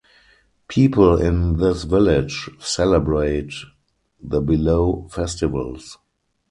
People in this village celebrate the below festivals.